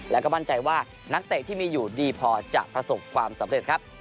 แล้วก็มั่นใจว่านักเตะที่มีอยู่ดีพอจะประสบความสำเร็จครับ